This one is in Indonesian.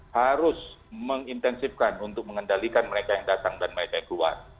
harus mengintensifkan untuk mengendalikan mereka yang datang dan mereka yang keluar